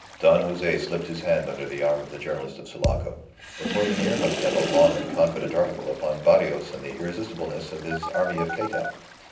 Don Jose slipped his hand under the arm of the journalist of Sulaco. "The Porvenir must have a long and confident article upon Barrios and the irresistibleness of his army of Cayta!